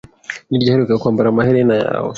Ni ryari uheruka kwambara amaherena yawe?